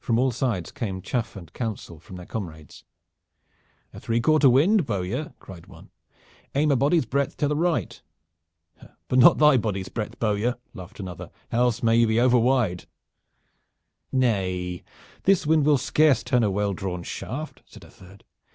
From all sides came chaff and counsel from their comrades. "A three quarter wind, bowyer!" cried one. "Aim a body's breadth to the right!" "But not thy body's breadth, bowyer," laughed another. "Else may you be overwide." "Nay, this wind will scarce turn a well drawn shaft," said a third.